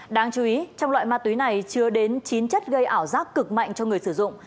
đáng chú ý trong loại ma túy này chứa đến chín chất gây ảo giác cực mạnh cho người sử dụng